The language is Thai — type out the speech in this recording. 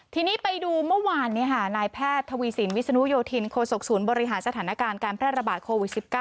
ทีนี้ไปดูเมื่อวานนายแพทย์ทวีสินวิศนุโยธินโคศกศูนย์บริหารสถานการณ์การแพร่ระบาดโควิด๑๙